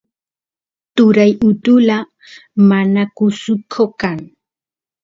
turay utula manakusuko kan